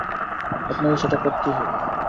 আপনাকে সেটা করতেই হবে!